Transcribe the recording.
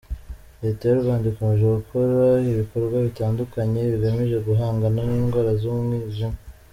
Leta y’u Rwanda ikomeje gukora ibikorwa bitandukanye bigamije guhangana n’indwara z’umwijima.